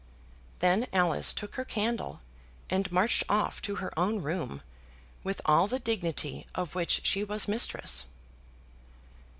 Then Alice took her candle, and marched off to her own room, with all the dignity of which she was mistress.